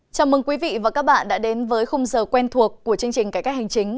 chào mừng quý vị và các bạn đã đến với khung giờ quen thuộc của chương trình cải cách hành chính